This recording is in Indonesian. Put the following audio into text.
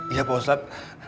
iya pak ustadz